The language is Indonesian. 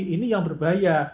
ini yang berbahaya